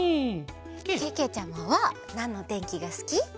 けけちゃまはなんのてんきがすき？